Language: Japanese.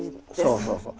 そうそうそう。